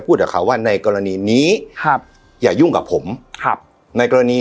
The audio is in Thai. พูดกับเขาว่าในกรณีนี้ครับอย่ายุ่งกับผมครับในกรณี